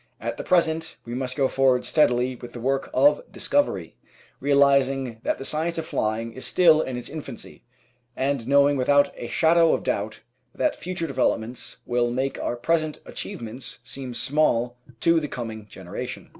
At the present we must go forward steadily with the work of discovery, realising that the science of flying is still in its infancy, and knowing without a shadow of doubt that future develop ments will make our present achievements seem small to the coming generation.